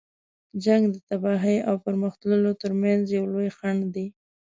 جنګ د تباهۍ او پرمخ تللو تر منځ یو لوی خنډ دی.